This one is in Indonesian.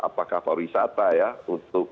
apakah pariwisata ya untuk